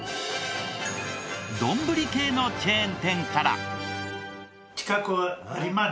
丼系のチェーン店から。